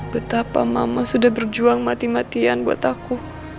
betapa mama sudah berjuang mati matian buat aku